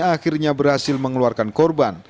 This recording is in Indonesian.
akhirnya berhasil mengeluarkan korban